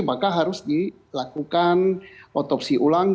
maka harus dilakukan otopsi ulang